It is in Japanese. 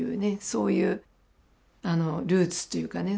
そういうルーツというかね